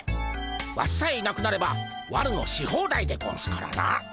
ワシさえいなくなれば悪のし放題でゴンスからな。